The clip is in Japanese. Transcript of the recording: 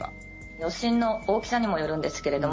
余震の大きさにもよるんですけれども